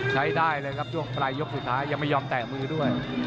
ใช้ได้เลยครับช่วงปลายยกสุดท้ายยังไม่ยอมแตะมือด้วย